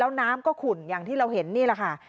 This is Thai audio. แล้วน้ำก็ขุ่นอย่างที่เราเห็นนี่แหละค่ะ